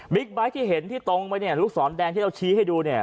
ไบท์ที่เห็นที่ตรงไปเนี่ยลูกศรแดงที่เราชี้ให้ดูเนี่ย